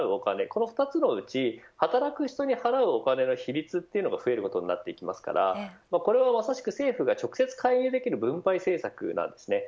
この２つのうち、働く人に払うお金の比率というのが増えることになってきますからこれはまさしく政府が直接介入できる分配政策なんです。